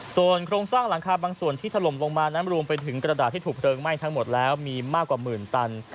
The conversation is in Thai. ส่วนโครงสร้างหลังคาบางส่วนที่ถล่มลงมานั้นรวมไปถึงกระดาษที่ถูกเพลิงไหม้ทั้งหมดแล้วมีมากกว่าหมื่นตัน